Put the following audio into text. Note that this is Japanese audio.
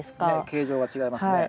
形状が違いますね。